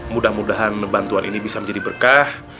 mudah mudahan bantuan ini bisa menjadi berkah